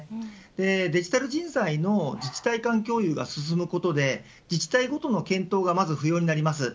デジタル人材の自治体間共有が進むことで自治体ごとの検討がまず不要になります。